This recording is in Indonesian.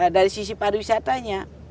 dari sisi pariwisatanya